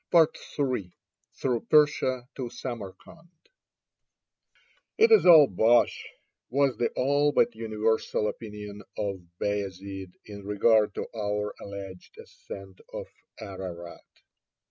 III THROUGH PERSIA TO SAMARKAND "It is all bosh," was the all but universal opinion of Bayazid in regard to our alleged ascent of Ararat.